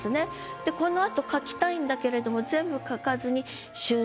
でこの後書きたいんだけれども全部書かずに「春塵」。